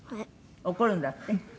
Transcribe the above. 怒るんだって？